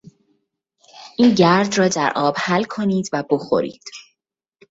این گرد را در آب حل کنید و بخورید.